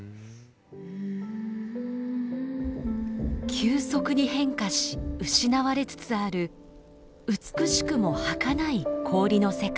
急速に変化し失われつつある美しくもはかない氷の世界。